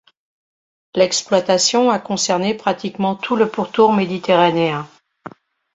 L'exploitation a concerné pratiquement tout le pourtour méditerranéen.